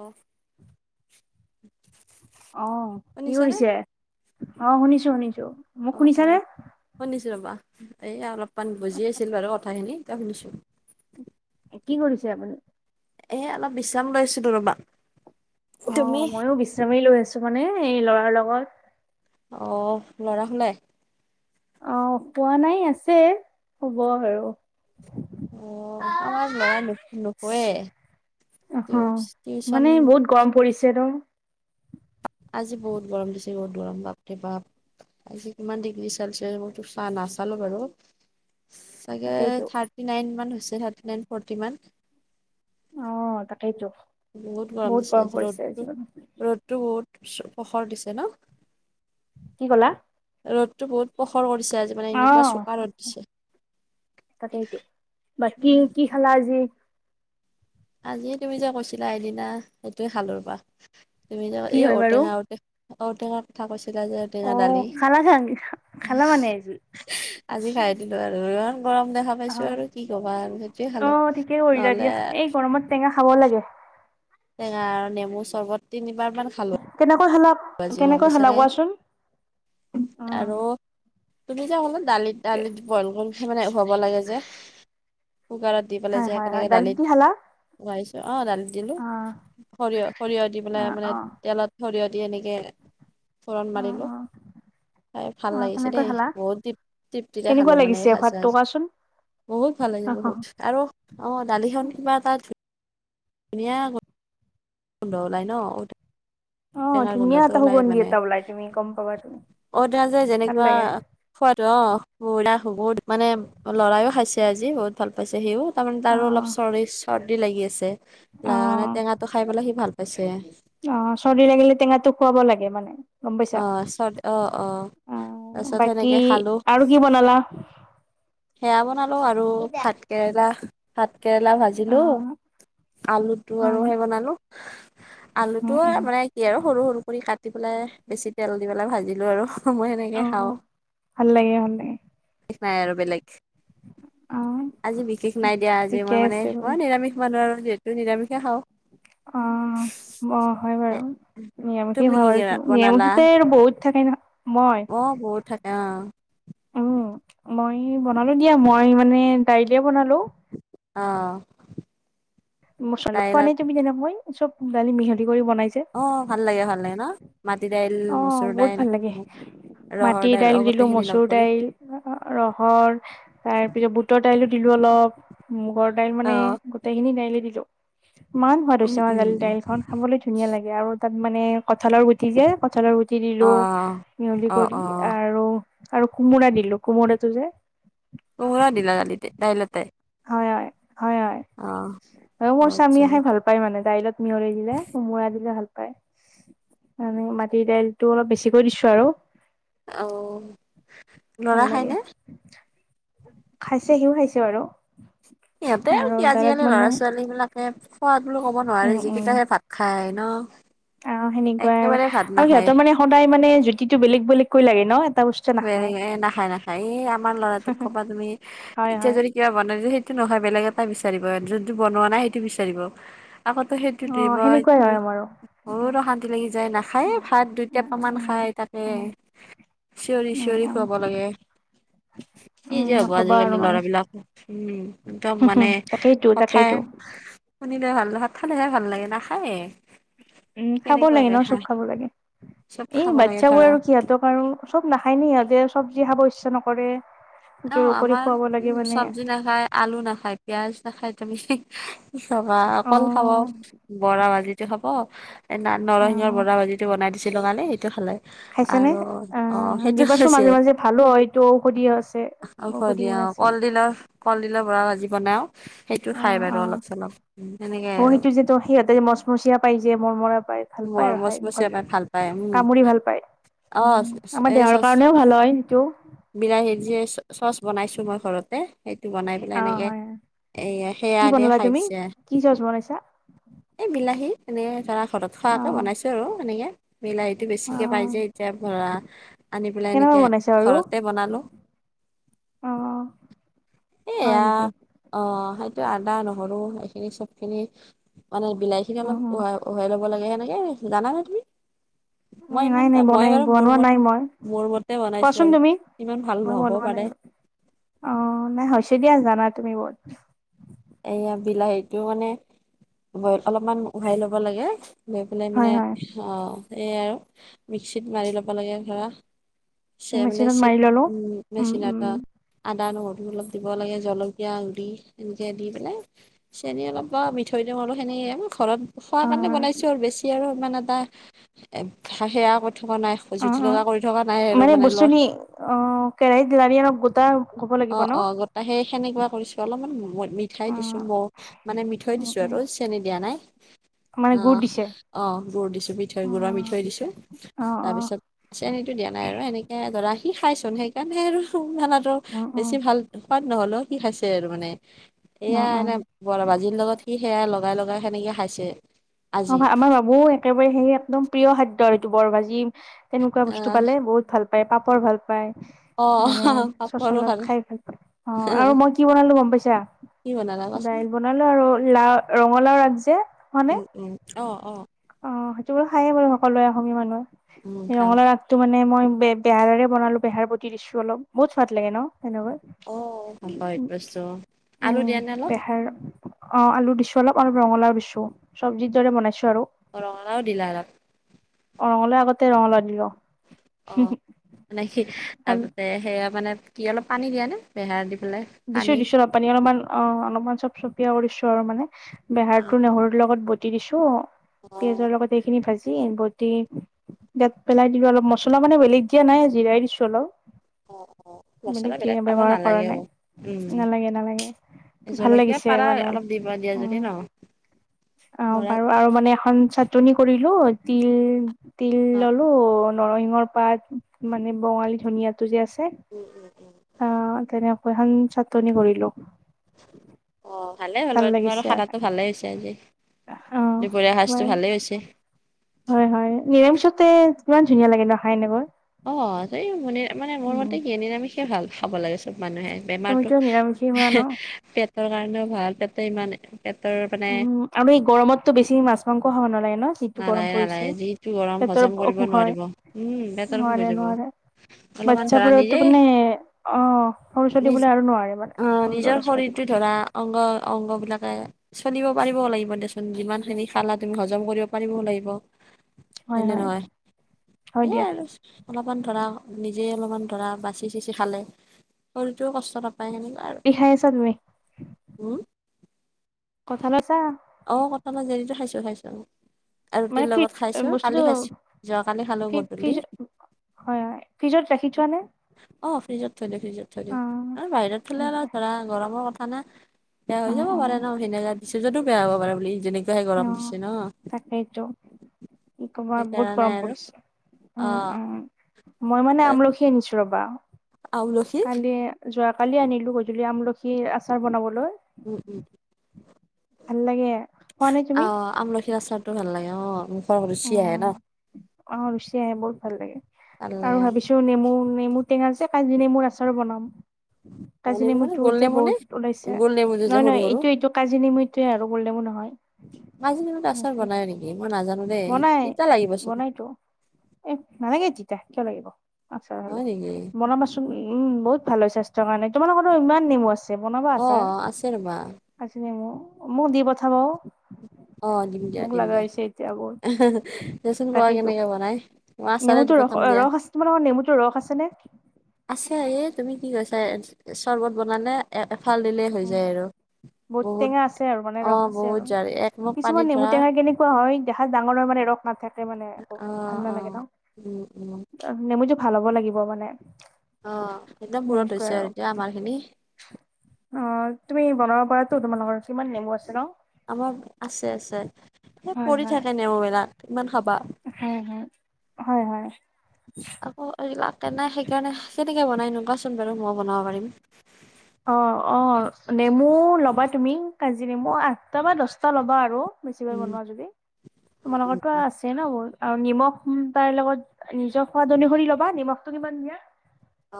অ অহ কি শুনিছানে কৰিছে? অ' শুনিছো, শুনিছো অ মোক অ শুনিছানে? শুনিছো ৰবা এই অলপমান বজি আছিল বাৰু কথাখিনি এয়া শুনিছো। কি কৰিছে আপুনি? এ অলপ বিশ্ৰাম লৈছিলো ৰ'বা। তুমি অ' ময়ো বিশ্ৰামেই লৈ আছো মানে এই ল'ৰাৰ লগত অ' ল'ৰা শুলাই আহ শুৱা নাই আছে, শুব আৰু অ' আমাৰ লৰাই নো নোখোৱে। অ' মানে বহুত গৰম পৰিছে। ন আজি বহুত গৰম দিছে, বহুত গৰম বাপৰে বাপ। কিমান ডিগ্ৰী চেলচিয়াছ মই তো, নাচালো বাৰু চাগে তাকেইতো থাৰ্টি নাইন মান হৈছে, থাৰ্টি নাইন ফৰ্টি মান অ' তাকেইতো বহুত গৰম দি চাইছে, পৰিছে আজি ৰ'দটো মানে ৰ'দটো বহুত পহৰ দিছে ন কি ক'লা ৰ'দতটো বহুত পখৰ কৰিছে আজি মানে এনেকুৱা চোকা ৰ'দ দিছে। তাকেইটো বাকী উম কি খালা আজি? আজি তুমি যে কৈছিলা এইদিনা সেইটোৱে খালো ৰবা তুমি য কি এই হয় বাৰু ঔটেঙা ঔ ঔটেঙা কথা কৈছিলা যে অ ঔটেঙা দালি খালা খাং খালা মানে আজি আজি খাই দিলো আৰু ইমান গৰম দেখা অ পাইছো আৰু কি কবা আৰু সেইটোৱে অ খালোঁ, ঠিকেই কৰিলা নহলে দিয়া এই গৰমত টেঙা খাবও লাগে। টেঙা আৰু নেমু চৰ্বত তিনিবাৰমান খালোঁ। [unintelligible] কেনেকৈ খালা কোৱাচোন, উ আৰু তুমি যে কলা দালিত দালিত বইল কৰি মানে হব লাগে যে কুকাৰত দি পেলাই হয় যে হয় হয় একেলগে দালিত দি খালা? দালিত অঁ দালি দিলো, অ সৰিয়হ সৰিয়হ দি পেলাই অ মানে অ তেলত সৰিয়হ এনেকে ফোৰণ অ মাৰিলোঁ। অ খাই ভাল অ' লাগিছে কেনেকৈ দেই খালা? বহুত তৃপ্তি তৃপ্তিৰে কেনেকুৱা খালোঁ মানে এ লাগিছে ভাত সোৱাদটো সাজ কোৱাচোন? বহুত ভাল লাগে বহুত আৰু অঁ দালিখন কিবা এটা ধুনীয়া ধুনীয়া গো ন্ধ ওলাই ন ঔত অ ধুনীয়া এটা সুগন্ধি এটা ওলাই তুমি গম পাবা তুমি। অতজ ভাল যেনেকুৱা লাগে। খোৱাদ ত বুৰাখ বহুত মানে ল'ৰায়েও খাইছে আজি বহুত ভাল পাইছে সিও তাৰমানে অ তাৰো অলপ চৰ্দি চৰ্দি লাগি আছে। অ ল মানে টেঙাটো খাই পেলাই সি ভাল পাইছে। তো খোৱাব লাগে মানে গম পাইছা, অ চৰ্দি অ অ আহ তাৰপিছত বাকী সেনেকে খালো আৰু কি বনালা? সেয়া বনালো আৰু ভাত কেৰেলা, ভাত কেৰেলা অ ভাজিলো। আলুটো হয় আৰু সেই বনালো আলুটো উম উম মানে কি আৰু সৰু সৰু কৰি কাটি পেলাই বেছি তেল দি পেলাই ভাজিলো আৰু সময় সেনেকে অ খাওঁ, ভাল লাগে ভাল লাগে নাই আৰু বেলেগ। অ আজি বিশেষ নাই দিয়া আজি ঠিকে মই মানে আছে বাৰু। মই নিৰামিষ মানুহ আৰু যিহেতু নিৰামিষে খাওঁ। অঁ অ হয় এ, বাৰু নিৰানিষতে তুমি খোৱা কি কি বাৰু ৰা- তুমি। বনালা নিৰানিষতে আৰু বহুত থাকে নহয়, মই অ বহুত থাকে অঁ উম মই বনালোঁ দিয়া মই মানে দাইলে বনালোঁ। আহ। মোছল খোৱা নাই তুমি তেনেকৈ, চব দালি মিহলি। কৰি বনাইছে অ ভাল লাগে ভাল লাগে ন, মাটি দাইল ল অ মচুৰ বহুত দাইল ভাল লাগে ৰহৰ মাটিৰ দাইল দিলো গোটেইখিনি লগ মচুৰ কৰি দাইল ৰহৰ তাৰপিছত বুটৰ দালি দাইলো দিলো অলপ মোহৰ দাইল অ মানে গোটেইখিনি দাইলে দিলো ইমান সোৱাদ উম হৈছে উম মাৰ উম দাইলখন খাবলৈ ধুনীয়া লাগে আৰু তাত মানে কঁঠালৰ গুটি যে কঠালৰ গুটি অ দিলোঁ মিহলি অ কৰি অ আৰু আৰু কোমোৰা দিলো, কোমোৰাটো যে কোমোৰা দিলা দালিতে দাইলতে হয় হয়, হয় হয় অ আৰু মোৰ আচ্ছা স্বামীয়ে খায় ভাল পায় মানে। দাইলত মিহলি দিলে কোমোৰা দিলে ভাল পায়। মানে মাটি দাইলতটো অলপ বেছিকৈ দিছো আৰু অ ভাল ল'ৰাই লাগে খাইনে? খাইছে সিও খাইছে বাৰু। সিহঁতে আৰু কি দাইলত আজিকালি মানে ল'ৰা ছোৱালী বিলাকে খোৱা বুলি ক'ব নোৱাৰি যিকেইটাহে ভাত খায়। ন অ সেনেকুৱাই একেবাৰে ভাত আৰু নাখায় সিহঁতৰ মানে সদায় মানে জুতিটো বেলেগ বেলেগকৈ লাগে ন বস্তু বে নাখায় এ নাখায় নাখায় এই আমাৰ লৰাটোক ক'বা তুমি হয় এতিয়া হয় যদি কিবা বনাই সেইটো নহ, বেলেগ এটা বিচাৰিব যোনটো বনোৱা নাই সেইটো বিচাৰিব। আকতো সেইটো অ ধৰিব, সেনেকুৱাই হয় আমাৰো উম বত অশান্তি লাগি যায় নাখায় উম ভাত দুইটাপামান উম খায় তাতে উম চিঞৰি উম চিঞৰি উম খুৱাব লাগে। উম কি যে হব নকবা আৰু আজিকালি মানে লৰাবলাক উম একদম মানে তাকেইতো কথাই, তাকেইতো শুনিলে ভাল ভাত খালেহে ভাল লাগে নাখায়ে। উম খাব লাগে কেনেকুৱাকে ন খা চুখ খাব লাগে চব এই খাব লাগে বাচ্ছাবোৰ ধৰা আৰু সহঁতক আৰু, চব নাখায় নি সিহঁতে চব্জি খাব ইচ্ছা নকৰে, অ জোৰ কৰি আমাৰ খুৱাব লাগে উম মানে চব্জি নাখায় আলু নাখায় পিয়য়াজ নাখায়, তুমি চবা অ অকল খাব বৰা ভাজিটো খাব এ অ নৰসিংহৰ বৰা ভাজি যিটো বনাই দিছিলো লগালে সেইটো খালে। খাইছ নে আৰু অ সেইটো দিবাচোন খাইছে মাজে মাজে ভালো হয় এইটো ঔষধি আছে। ঔষ ঔষধি দিয়া গুণ অ আছে কলডিলৰ কলডিলৰ বৰা ভাজি বনাও সেইটো অ খাই অ বাৰু অলপ চলপ সেনেকাই অ আৰু সেইটো যে তো সিহঁতে মচমচীয়া পাই যে মৰমৰা পাই ভাল পায় আৰু খাই মমচমচি মুখত এবাৰ ভাল পায় উম! কামুৰি ভাল পায় অ উম আমাৰ এই দেহৰ চচ কাৰণেও ভাল হয় সেইটো বিলাহীৰ যে চচ বনাইছো মই ঘৰতে, সেইটো বনাই পেলাই অ এনেকে হয় এ সেয়া কি দিয়ে বনালা খাই তুমি দিছে। কি চচ বনাইছা এই বিলাহী এনেক ধৰা ঘৰত অ খোৱাকৈ বনাইছোঁ আৰু এনেকৈ বিলাহীটো অ বেছিকৈ পাই যোয় এতিয়া ধৰা আনি পেলাই কেনেকুৱা এনেকে বনাইছা আৰু ঘৰতে বনালোঁ। অ হয় এয়া নেকি অ' আদা নহৰু এইখিনি চব খিনি মানে বিলাহী খিনি অ অলপ উাই উাই ল নান নাদমি অ মই নাই ইমানটা নাই মই বনাই বাৰু মোৰ বনোৱা ম নাই মই মোৰ মতে বনাইছো কোৱাচোন আৰু তুমি ইমান মই ভালহ'ব বনোৱা নাই পাৰে। বাৰু অ নাই হ হৈছে দিয়া জানা তুমি বত এয়া বিলাহীটো মানে বইল অলপমান উহাই ল'ব লাগে। লৈ পেলাই হয় মানে হয় অ সেয়াই আৰু মিক্সিত মাৰি ল'ব লাগে ধৰা স মানে মেচিনত মাৰি ললো উ উম উম মেচিনাটা আদা নহৰু অলপ দিব লাগে জলকীয়া গুৰি দি পেলাই চেনি অলপ বা মিঠৈ দিওঁ আৰু সেনে ঘৰত, খোৱা হয় কাৰণে হয় বনাইছো আৰু বেছি আৰু মানে এটা এ সেয়া, থকা নাই অ জুতি অ লগা কৰি থকা নাই আৰু মানে লয়। অ কেৰাহীত লাৰি অলপ গোটা হ'ব অ লাগিব ন অ গোটাহ সেই সেনেকুৱা কৰিছো অলপমান মই মিঠাই অ দিছো ম মানে মিঠৈ উ দিছো উ আৰু চেনিী দিয়া নাই, মানে অ গুৰ দিছে অ গুডুৰ দিছো মিঠৈ অ গুডুৰৰ মিঠৈ দিছো অ অ তাৰপিছত চেনীটো দিয়, সকাৰণে আৰু সেনেকে ধৰা সি খাইচোন সেইকাৰণে আৰু মানৰ উম উম সোৱাদ নহলেও কি খাইছে আৰু মানে উম এয়া উম এনে বৰা বাজিৰ লগত কি সেয়া, লগাই লগাই সেনেকে খাইছে। অ আজি আমাৰ বাবু একেবাৰে সেই একদম প্ৰিয় খাদ্য আৰু এইটো বৰ ভাজি তেনেকুৱা বস্তু আহ পালে বহুত ভাল পায় পাপৰ ভাল পায়। অ মানে চচলপ খাই ভাল পাল অ আৰু মই কি বনালো গম পাইছা। কি বনালা কোৱাচোন দাইল বনালো আৰু লা ৰঙালাও ৰাখজে মানে উম উম অ' অ'। সেইটো বোৰো খায়ে বাৰু সকলোৱে অসমীয়া মানুহে উম এই খাম ৰঙলৰ ৰাসটো মানে, মানে মই বে বেহাৰেৰে বনালো বেহাৰ প দিছো অলপ বহুত সোৱাদ লাগে ন তেনেকুৱা অ উ পাহৰিত বস্তু আলু উম দিয়া নে অলপ বেহাৰ অ আলু দিছো অলপ আৰু ৰঙালাও দিছো চব্জিৰ দৰে বনাইছো আৰু অ। [unintelligible] অ ৰঙালাওঁ আগতে ৰঙালাওঁ দিব। অ মানে সি তাৰপিছতে সেয়া মানে কি অলপ পানী দিয়া নে বেহাৰ দি। পেলাই দিছোঁ পানী দিছোঁ অলপ পানী অলপমান অ অলপমান চব চবিয়া কৰিছোঁ আৰু মানে। অ বেহাৰ টো নহৰুৰ লগত বটি দিছোঁ অ পিয়াজৰ লগত এইখিনি ভাজি। বটি ইয়াত পেলাই দিলোঁ অলপ মছলা মানে বেলেগ দিয়া নাই জিৰাই দিছোঁ অ', অ', অলপ। মছলা মানে কি বিলাক খাব ব্যৱহাৰ কৰা নালাগে নাই। অ'। উম, নালাগে নালাগে ভাল জলকীয়া লাগিছে পাৰা মানে অলপ দিবা দিয়া যদি উম। ন অ ধৰা বাৰু আৰু মানে এখন চাটনি কৰিলো তিল। তিল অ', ললো নৰসিংহৰ পাত মানে বঙালী ধনীয়া। যে আছে উম, উম, উম। অহ তেনেকৈ এখন চাটনি কৰিলোঁ। অ ভালে হ'ল বাৰু তোমাৰো লাগিছে খানাটো ভালেই হৈছে আজি অ দুপৰীয়া হয় সাজটো ভালেই হৈছে। হয় হয় নিৰামিষতে কিমান ধুনীয়া লাগে নহ খাই এনেকৈ। অ এই ম মানে মোৰ উম মতে কি নিৰামিষয়েই ভাল খাব লাগে চোন। মানুহে বেমাৰতটো তুমিতো নিৰামিষেই হোৱা ন পেটৰ কাৰণেও ভাল পেটে ইমান। পেটৰ মানে উম আমি গৰমতো বেছি মাছ-মাংস খাব নালাগে নহ। যিটো গৰম নালাগে নালাগে পৰিছে, যিটো গৰম পেটৰ হজম কৰিব অসুখ হয় নোৱাৰিব উম, পেটৰ অসুখ হৈ নোৱাৰে, যাব। নোৱাৰে। অলপমান বাচ্ছ ধৰা নিজে বোৰতো মানে অ সৰু ছোৱালীবোৰে আৰু নোৱাৰে মানে সৰু যি ল'ৰা-ছোৱালী। ধৰা অংগ। অংগ বিলাকে চলিব পাৰিব লাগিব দেচোন, যিমান খিনি খালা তুমি হজম কৰিব। পাৰিবও লাগিব হয় নে নহয়, হয় এয়াই দিয়া আৰু অলপমান ধৰা। নিজে অলপমান ধৰা বাচি-চিচি খালে শৰীৰতটোও কষ্ট নাপ। কি খাই আছা নাই উম কথা লৈছা। অ' কঠালৰ হেৰিটো খাইছোঁ খাইছোঁ। আৰু মানে ৰুটিৰ ফ্ৰিজ লগত খাইছোঁ বস্তুটো কালি খাইছোঁ যোৱা কালি খালোঁ ফ্ৰি গধূলি। ফ্ৰিজ হয়, হয় ফ্ৰিজত ৰাখি থোৱা নে? অ, ফ্ৰিজত থৈ দিওঁ, ফ্ৰিজত থৈ অ দিওঁ আৰু বাহিৰত থলে অলপ ধৰা গৰমৰ কথা না। বেয়া অ হৈ যাব পাৰে নহ অ ভিনেগাৰ দিছোঁ যদিও বেয়া হব পাৰে বুলি যেনেকুৱাহে অ গৰম দিছে। ন তাকেইতো। কি ক'বা বহুত সেইকাৰণে গৰম আৰু পৰিছে, অ উম'উম'। মই মানে আমলখি আনিছো ৰ'বা, আউলসী কালি যোৱা। কালি আনিলো গধূলি আমলখি, আচাৰ বনাবলৈ। উম', উম' ভাল লাগে খোৱা নে তুমি অহ' আমলখি আচাৰ। টো ভাল লাগে অ' মুখৰ ৰুচি আহে অ নহ। অ' ৰুচি আহে বহুত ভাল লাগে ভাল লাগে। আৰু ভাবিছোঁ নেমু। নেমু টেঙা যে, কাজী নেমু আচাৰো বনাম। অ, কাজি নেমু নে নেমুটো গোল যে নেমু নে, বহুত ওলাইছে গোল নেমু যে যে নহয়, সৰু নহয় সৰু। এইটো, এইটো কাজি নেমু এইটোৱে গোলনেমু। নহয়। কাজি নেমুৰ আচাৰ বনাই নেকি? মই নাজানো। দেই, বনাই তিতা লাগিব চোন, বনাইতো, এ নালাগে তিতা। কিয় লাগিব, আচাৰ হ'লে হয় নেকি? বনাবাচোন। উম বহুত ভাল হয় স্বাস্থ্যৰ কাৰণে তোমালোকৰটো ইমান নেমু আছ। দে বনাবা অ, আচাৰ, আছে ৰ'বা, কাজি নেমু মো দি পঠাবা অ'। অ' দিম দিয়া, দিম দিয়া, বহুত আহাহা দে চোন বোৱা তাকেইতো কেনেকে বনাই। অ' আচাৰে দি নেমুটো ৰস পথাম দিয়া, ৰস আছে তোমালোকৰ নেমুটোৰ ৰস আছে আছে এই। তুমি কি কৈছা এ চৰ্বত বনালে এ এফাল দিলেই হৈ নে যায় আৰু বহুত টেঙা আছে আৰু মানে ৰস অ' আছে বহুত আৰু। যাৰ। কিছুমান নেমু টেঙা কেনেকুৱা হয় দেহ ডাঙৰ হয় মানে ৰস নাথাকে মানে অ, বহুত ভাল অ। নালাগে উম, উম, ন নেমুটো ভাল হ'ব লাগিব মানে। আহ একদম পূৰত হৈছে আৰু এতিয়া আমাৰ খিনি। অ' তুমি বনাব পাৰাটো তোমালোকৰ কিমান নেমু আছে ন। আমাৰ আছে, আছে সেই হয় পৰি হয়। থাকে নেমু বিলাক ইমান খাবা। হয়', হয়', হয়', হয়'। তেনে সেইকাৰণে, কেনেকে বনাই কোৱাচোন বাৰু মই বনাব পাৰিম। অ', অ' নেমু ল'বা তুমি কাজি নেমু আঠটা বা দচটা ল'বা আৰু। বেছি বাৰ উম বনোৱা যদি তোমালোকটো আছে ন বহুত। আৰু নিমখ তাৰৰ লগত নিজৰ সোৱাদ অনুসৰি ল'বা, নিমখটো কিমান দিয়া।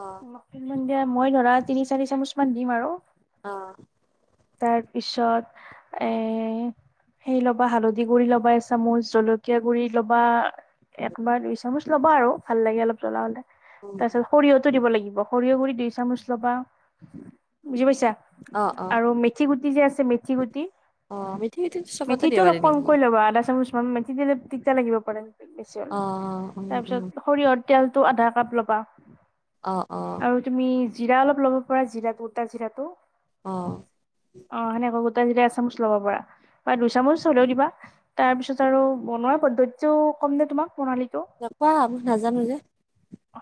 অ মই ধৰা তিনি চাৰি চামুচ মান দিম আৰু। অ'। তাৰ পিছত এ সেই ল'বা হালধি গুৰি লবা এচামুচ জলকীয়া গুৰি ল'বা। এক বা দুই চামুচ ল'বা আৰু ভাল লাগে অলপ জ্বলা হ'লে। উম তা পিছত সৰিয়হতো দিব লাগিব, সৰিয়হ গুৰি দুই চামুচ ল'বা, বুজি পাইছা। অ অ আৰু মেথি গুটি যে আছে মেথি গুটি অ মিঠি মিঠি চবতে দিব মেথিটো অলপ পাৰি নেকি কমকৈ ল'বা আধা চামুচ মান মেথি দিলে তিয়া লাগিব পাৰে। বেছি হলে অ উম উম তাৰপিছত সৰিয়হৰ। তেলটো আধা কাপ লবা অ অ আৰু তুমি জিৰা অলপ লব। জিৰাটো বতা জিৰাটো। অ। অ সেনেকে গোটাই যেতিয়া এচামুচ লব পাৰা বা দুইচামুচ হলেও দিবা তাৰ পিছত আৰু। পন্ধতিটো কম দে তোমাক প্ৰণালী। যাবা নাজানো যে।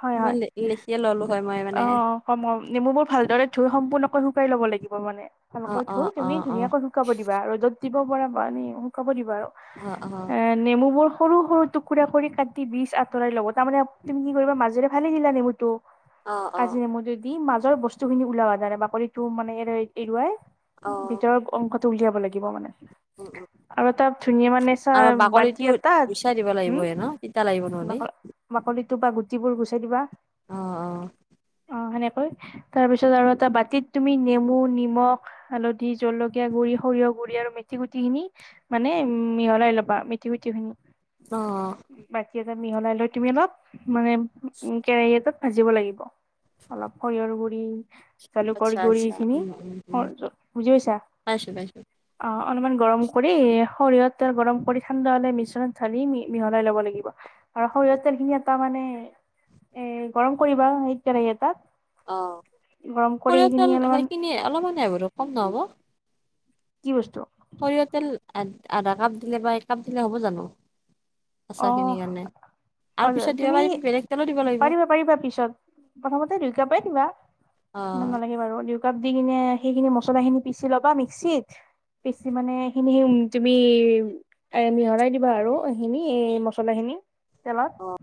হয় মই হয় লিখিয়ে ললো হয় মই মানে অ ক নেমুবোৰ ভাল। দৰে ধুই সম্পূৰ্ণকৈ শুকাই ল'ব লাগিব মানে, অ ভালকৈ অ ধুই অ তুমি অ ধুনীয়াকৈ শুকাব দিবা ৰ'দত দিব পৰা বা এনে শুকাব দিবা আৰু, অ অ এ নেমু বোৰ সৰু সৰু টুকুৰা কৰি কাটি বিজ আঁতৰাই ল'ব, তাৰমানে তুমি কি কৰিবা মাজেৰে ফালি দিলা নেমুটো অ অ কাজি নেমুটো দি মাজৰ বস্তু খিনি ওলাবা দাৰা বাকলিটো মানে এৰু এৰুৱাই অ ভিতৰৰ অংশটো উলিয়াব লাগিব মানে উম উম আৰু এটা ধুনীয়া মানে চ আৰু বাকী বাকলিটো এটা, গুচাই দিব হম লাগিবয়ে ন তিতা লাগিব নহ'লে [unintelligible] বাকলি টো বা গুটিবোৰ গুচাই দিবা। আহ আহ অ হেনেকৈ তাৰপিছত আৰু এটা বাতিত তুমি নেমু, নিমখ, হালধি, জলকীয়া গুড়ি, সৰিয়হ গুড়ি আৰু মিঠা তেল মিঠি গুটি খিনি মানে উ মিহলাই ল'বা মিথি গুটি খিনি অ বাতি মিহলাই লৈ তুমি অলপ মানে কেৰাহী এটাত ভাজিব লাগিব, অলপ সৰি গুৰি, জালুকৰ আচ্ছা, গুৰি আচ্ছা। খিনি উম, উম, উম, [unintelligible] বুজি পাইছা? পাইছো, পাইছো। অ অলপমান গৰম কৰি সৰিয়হত তেল গৰম কৰি ঠাণ্ডা হলে মিশ্ৰণ ঢালি মি মিহলাই ল'ব লাগিব আৰু সৰিয়হ তেল খিনি এটা মানে [inaudible] এ গৰম কৰিবা সেই কেৰাহী এটাত। অ গৰম কৰি সৰিয়হ সেইখিনি দেখোন অলপমান সেইখিনিয়ে অলপমানে হব দেখোন, কম নহ'ব? কি বস্তু? সৰিয়হ তেল আ আধা কাপ দিলে বা এক কাপ দিলে হ'ব জানো? অ আছাখিনৰ কাৰণে। আৰু অ পিছত দিব তুমি পাৰিম বেলেগ তেলো দিব লাগিব। পাৰিবা পাৰিবা পিছত, প্ৰথমতে দুই কাপে দিবা। অ'। ইমান নালাগে বাৰু দুকাপ দি কিনে সেইখিনি মছলা খিনি পিচি ল'বা মিক্সিত, পিছি মানে এইখিনি উ তুমি এ মিহলাই দিবা আৰু এইখিনি এই মছলা খিনি তেলত। অ'।